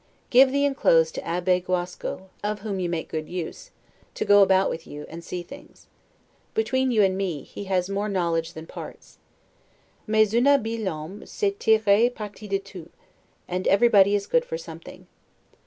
Give the inclosed to Abbe Guasco, of whom you make good use, to go about with you, and see things. Between you and me, he has more knowledge than parts. 'Mais un habile homme sait tirer parti de tout', and everybody is good for something.